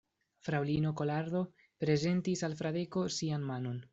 Fraŭlino Kolardo prezentis al Fradeko sian manon.